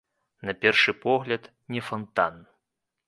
На першы погляд, не фантан.